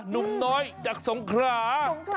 หนุ่มน้อยจากสงขรา